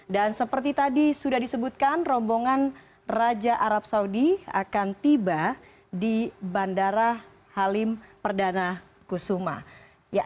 dan seperti tadi sudah disebutkan rombongan raja arab saudi akan tiba di bandara halim perdana kusuma